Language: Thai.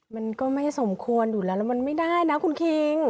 มันก็ไม่สมควรอยู่แล้วแล้วมันไม่ได้นะคุณคิง